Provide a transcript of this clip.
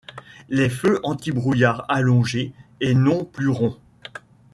Les feux anti-brouillard allongés et non plus ronds.